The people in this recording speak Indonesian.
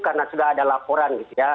karena sudah ada laporan gitu ya